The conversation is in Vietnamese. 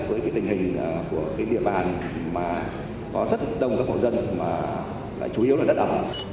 với cái tình hình của cái địa bàn mà có rất đông các hộ dân mà chủ yếu là đất ở